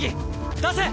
出せ！